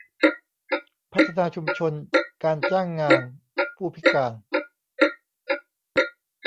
พัฒนาชุมชนการจ้างงานผู้พิการ